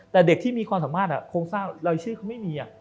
แต่เด็กที่มีความสามารถโครงสร้างรายชื่อเขาไม่มี